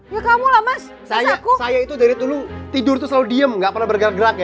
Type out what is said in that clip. ya kamu lah mas saya itu dari dulu tidur itu selalu diem nggak pernah bergerak gerak ya